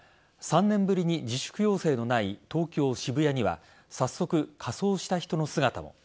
３年ぶりに自粛要請のない東京・渋谷には早速、仮装した人の姿も。